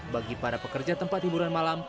bagi para pekerja tempat hiburan malam